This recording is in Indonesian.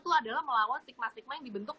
itu adalah melawan stigma stigma yang dibentuk